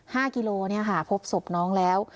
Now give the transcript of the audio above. กิโลเนี่ยค่ะพบศพน้องแล้ว